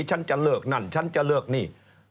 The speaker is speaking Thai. ฉันจะเลิกนั่นฉันจะเลิกนี่